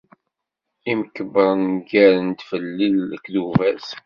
Imkebbren ggaren-d fell-i lekdubat.